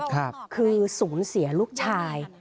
คือสูญเสียลูกชาย